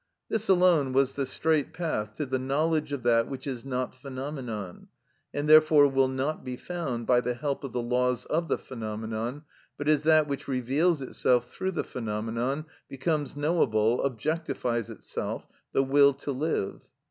This alone was the straight path to the knowledge of that which is not phenomenon, and therefore will not be found by the help of the laws of the phenomenon, but is that which reveals itself through the phenomenon, becomes knowable, objectifies itself—the will to live.